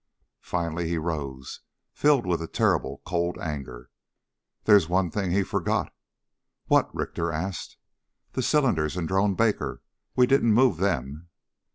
Finally he rose, filled with a terrible cold anger. "There's one thing he forgot...." "What?" Richter asked. "The cylinders in Drone Baker. We didn't move them."